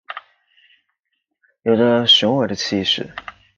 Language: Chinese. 有著雄伟的气势